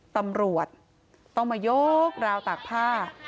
ตำรวจต้องมาโยกราวตากผ้า